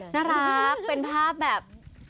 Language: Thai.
น่ารักเป็นภาพแบบ